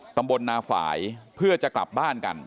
ตำบลนาฝ่ายเพื่อจะกลับบ้านกัน